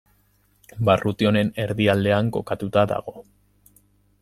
Barruti honen erdialdean kokatua dago.